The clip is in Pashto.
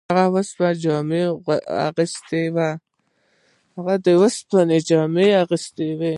هغه سپینې جامې اغوستې وې.